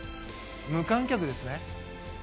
無観客ですね。